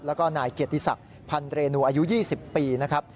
แล้วก็นายเกียรติศักดิ์พันเรนูอายุ๒๐ปีนะครับ